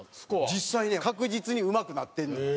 実際ね確実にうまくなってんのよ